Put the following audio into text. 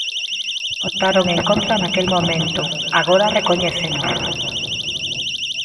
Votaron en contra naquel momento, agora recoñéceno.